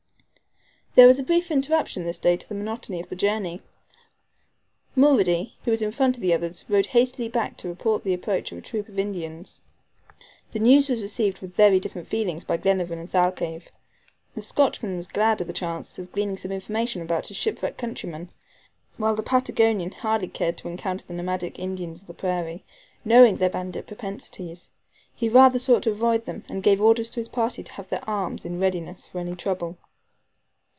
There was a brief interruption this day to the monotony of the journey. Mulrady, who was in front of the others, rode hastily back to report the approach of a troop of Indians. The news was received with very different feelings by Glenarvan and Thalcave. The Scotchman was glad of the chance of gleaning some information about his shipwrecked countryman, while the Patagonian hardly cared to encounter the nomadic Indians of the prairie, knowing their bandit propensities. He rather sought to avoid them, and gave orders to his party to have their arms in readiness for any trouble.